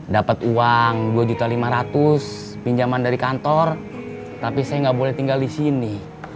dapat uang rp dua lima ratus pinjaman dari kantor tapi saya nggak boleh tinggal di sini